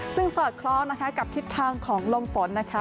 ซึ่งสอดคล้องนะคะกับทิศทางของลมฝนนะคะ